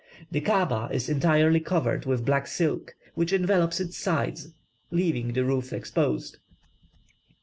The Kaaba is entirely covered with black silk, which envelopes its sides, leaving the roof exposed.